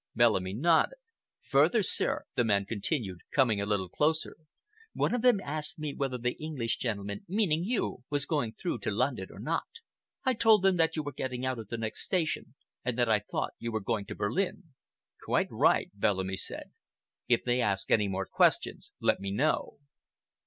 Bellamy nodded. "Further, sir," the man continued, coming a little closer, "one of them asked me whether the English gentleman—meaning you—was going through to London or not. I told them that you were getting out at the next station and that I thought you were going to Berlin." "Quite right," Bellamy said. "If they ask any more questions, let me know."